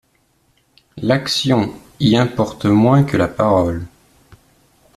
L'action y importe moins que la parole.